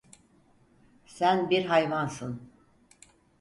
Sen bir hayvansın.